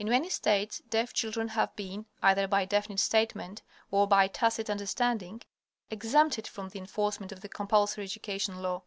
In many states deaf children have been, either by definite statement, or by tacit understanding, exempted from the enforcement of the compulsory education law.